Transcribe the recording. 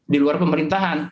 di luar pemerintahan